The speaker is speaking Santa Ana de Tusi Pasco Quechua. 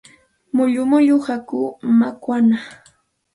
Mullu mullu hakuu makwanaami.